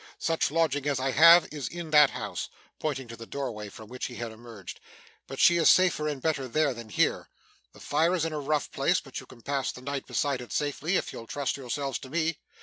Such lodging as I have, is in that house,' pointing to the doorway from which he had emerged, 'but she is safer and better there than here. The fire is in a rough place, but you can pass the night beside it safely, if you'll trust yourselves to me.